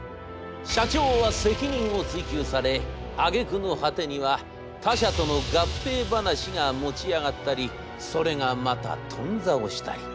社長は責任を追及されあげくの果てには他者との合併話が持ち上がったりそれがまた頓挫をしたり。